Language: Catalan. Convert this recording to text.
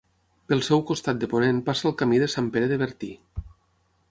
Pel seu costat de ponent passa el Camí de Sant Pere de Bertí.